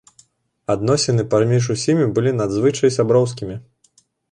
Адносіны паміж усімі былі надзвычай сяброўскімі.